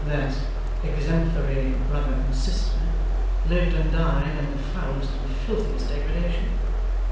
' That exemplary brother and sister lived and died in the foulest and filthiest degradation.